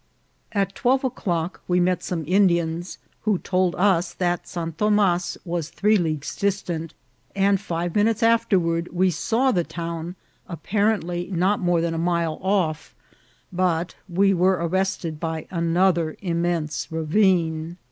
At twelve o'clock we met some Indians, who told us that Santa Thomas was three leagues distant, and five minutes afterward we saw the town apparently not more than a mile off; but we were arrested by another im mense ravine.